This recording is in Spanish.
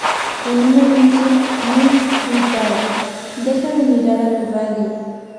En un anuncio, Muntz gritaba "¡Deja de mirar a tú radio!".